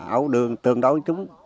ở đường tương đối chúng